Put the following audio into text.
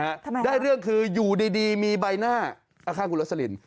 ทำไมครับได้เรื่องคืออยู่ดีมีใบหน้าเอาข้างกูลสลิน